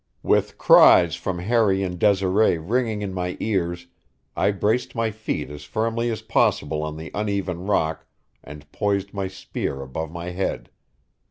With cries from Harry and Desiree ringing in my ears, I braced my feet as firmly as possible on the uneven rock and poised my spear above my head.